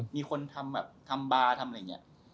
มีคนทำบาร์ทำอะไรอย่างนี้